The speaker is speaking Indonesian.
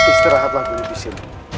aku akan menunggu kamu di sini